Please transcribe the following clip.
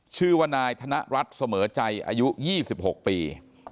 ชื่อว่านายธนรัฐเสมอใจอายุ๒๖ปี